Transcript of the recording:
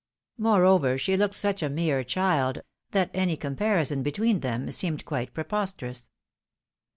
Moreover, she looked such a mere child, that any comparison between them seemed preposterous.